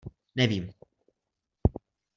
Nevím.